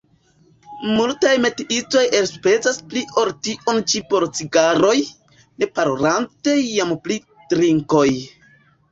Multaj metiistoj elspezas pli ol tion ĉi por cigaroj, ne parolante jam pri drinkoj.